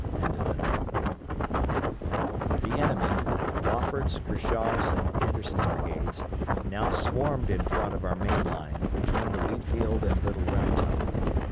] The enemy, Wofford's, Kershaw's, and Anderson's brigades, now swarmed in the front of our main line between the wheat field and Little Round Top.